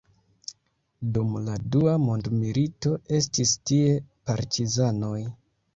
Dum la dua mondmilito estis tie partizanoj.